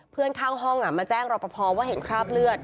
เพื่อนข้างห้องมาแจ้งรับประพอว่าเห็นคราบเลือด